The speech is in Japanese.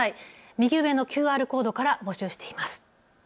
右上のＱＲコードから募集しています。